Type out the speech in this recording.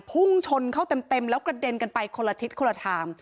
พุ่งชนเข้าเต็มแล้วกระเด็นกันไปคนละทิศคนละทาง